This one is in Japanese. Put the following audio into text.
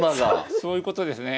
そういうことですね。